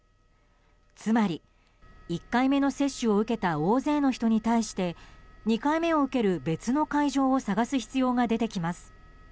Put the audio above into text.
つまり、１回目の接種を受けた大勢の人に対して２回目を受ける別の会場を探す必要が出てきます。